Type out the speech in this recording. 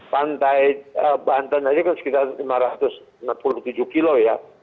pantai banten aja kan sekitar lima ratus enam puluh tujuh kilo ya